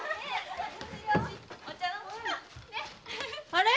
・あれ？